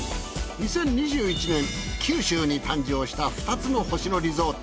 ２０２１年九州に誕生した２つの星野リゾート。